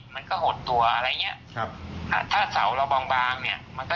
มันก็หดตัวอะไรอย่างเงี้ยครับอ่าถ้าเสาเราบางบางเนี้ยมันก็